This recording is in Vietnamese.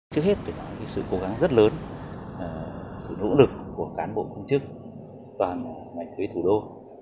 trước hết phải nói về sự cố gắng rất lớn sự nỗ lực của cán bộ công chức toàn mảnh thuế thủ đô